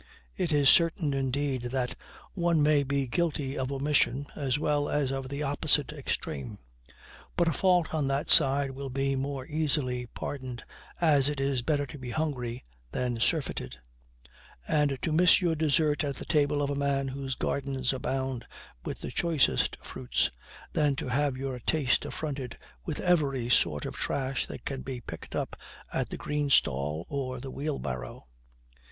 It is certain, indeed, that one may be guilty of omission, as well as of the opposite extreme; but a fault on that side will be more easily pardoned, as it is better to be hungry than surfeited; and to miss your dessert at the table of a man whose gardens abound with the choicest fruits, than to have your taste affronted with every sort of trash that can be picked up at the green stall or the wheel barrow.